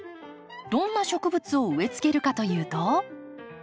どんな植物を植えつけるかというと。